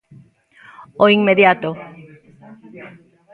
O inmediato.